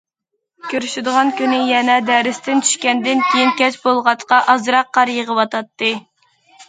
كۆرۈشىدىغان كۈنى يەنە دەرستىن چۈشكەندىن كېيىنكى كەچ بولغاچقا ئازراق قار يېغىۋاتاتتى.